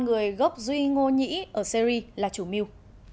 người gốc duy ngô nhị ở syri là chủ mưu